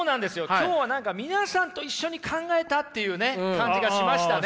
今日は何か皆さんと一緒に考えたっていうね感じがしましたね。